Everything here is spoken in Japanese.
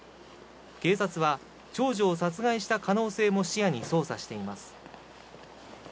警察は長女を殺害した可能性も視野に捜査しています。